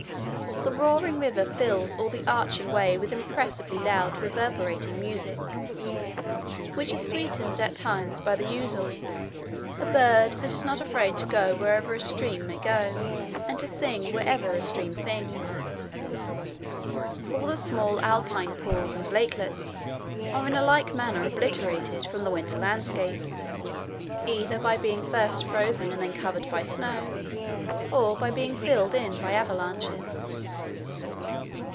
The roaring river fills all the arching way with impressively loud reverberating music, which is sweetened at times by the ouzel, a bird that is not afraid to go wherever a stream may go, and to sing wherever a stream sings. All the small alpine pools and lakelets are in like manner obliterated from the winter landscapes, either by being first frozen and then covered by snow, or by being filled in by avalanches.